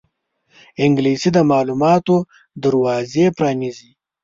انګلیسي د معلوماتو دروازې پرانیزي